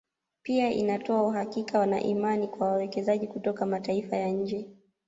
Pia inatoa uhakika na imani kwa wawekezaji kutoka mataifa ya nje